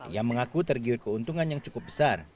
yang mengaku tergirir keuntungan yang cukup besar